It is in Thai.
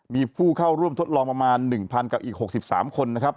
มีผู้เข้าร่วมทดลองประมาณ๑๐๐กับอีก๖๓คนนะครับ